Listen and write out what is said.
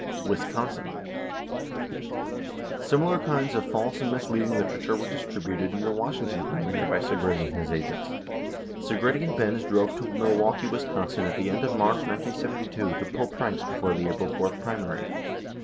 77 Wisconsin: Similar kinds of false and misleading literature were distributed in the Wisconsin primary by Segretti and his agents. Segretti and Benz drove to Milwaukee, Wis., at the end of March 1972, to pull pranks before the April 4 primary.